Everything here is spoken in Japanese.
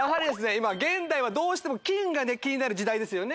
今現代はどうしても菌がねキニナル時代ですよね